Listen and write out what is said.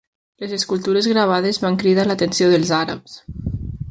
Les escultures gravades van cridar l'atenció dels àrabs.